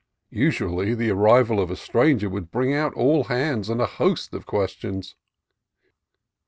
Usually, the arrival of a stranger would bring out all hands and a host of questions.